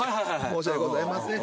申し訳ございません。